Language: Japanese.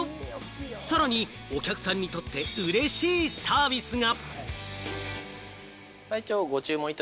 さらにお客さんにとって、うれしいサービスが。